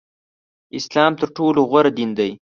اسلام تر ټولو غوره دین دی